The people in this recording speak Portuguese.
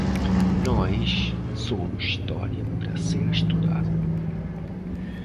Nós somos história para ser estudada